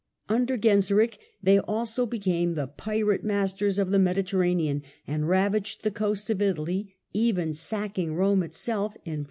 Under Genseric they also became the pirate masters of the Mediterranean, and ravaged the coasts of Italy, even sacking Rome itself in 455.